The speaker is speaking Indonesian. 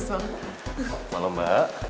selamat malam mbak